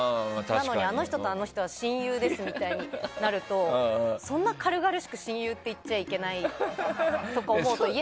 なのに、あの人とあの人は親友ですみたいになるとそんな軽々しく親友って言っちゃいけないと思うと。